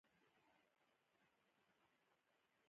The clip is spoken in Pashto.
ترمامیتر یې چې را وایست، ورته یې وکتل او بیا یې سر وخوځاوه.